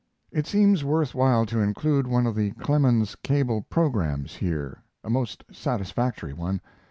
It seems worth while to include one of the Clemens Cable programs here a most satisfactory one.